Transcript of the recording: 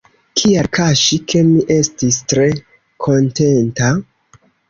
Kial kaŝi, ke mi estis tre kontenta?.